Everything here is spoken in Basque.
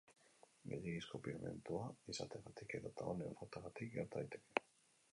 Gehiegizko pigmentua izateagatik edota honen faltagatik gerta daiteke.